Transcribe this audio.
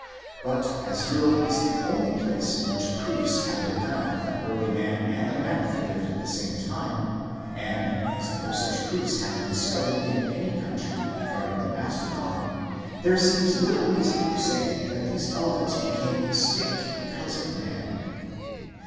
But as Europe is the only place in which proofs have been found that early man and the Mammoth lived at the same time, and as no such proofs have been discovered in any country, regarding the Mastodon, there seems little reason for saying that these ele phants became extinct because of man.